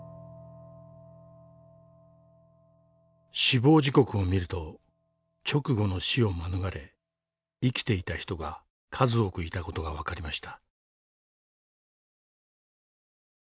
死亡時刻を見ると直後の死を免れ生きていた人が数多くいた事が分かりました。